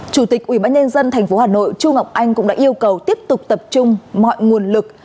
chủ tịch ubnd tp hà nội chu ngọc anh cũng đã yêu cầu tiếp tục tập trung mọi nguồn lực